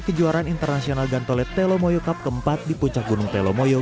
kejuaraan internasional gantolet telomoyo cup keempat di puncak gunung telomoyo